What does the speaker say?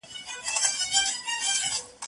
د اباسین څپې دي یوسه کتابونه